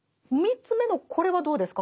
３つ目のこれはどうですか？